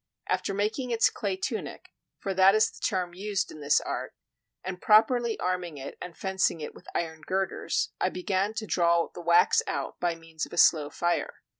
After making its clay tunic (for that is the term used in this art) and properly arming it and fencing it with iron girders, I began to draw the wax out by means of a slow fire.